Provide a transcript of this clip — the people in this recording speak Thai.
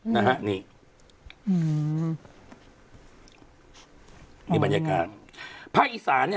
นะฮะนี่อืมนี่บรรยากาศภาคอีสานเนี้ย